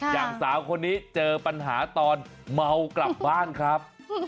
อย่างสาวคนนี้เจอปัญหาตอนเมากลับบ้านครับ